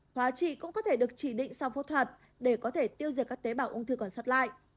hóa trị cũng có thể được chỉ định sau phẫu thuật để có thể tiêu diệt các tế bào ung thư còn sót lại